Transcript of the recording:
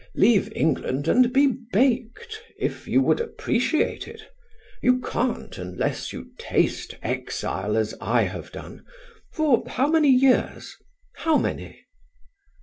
Leave England and be baked, if you would appreciate it. You can't, unless you taste exile as I have done for how many years? How many?"